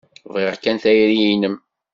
Bɣiɣ kan tayri-nnem.